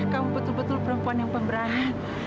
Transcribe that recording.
kamu betul betul perempuan yang pemberani